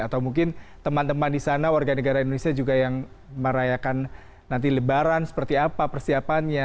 atau mungkin teman teman di sana warga negara indonesia juga yang merayakan nanti lebaran seperti apa persiapannya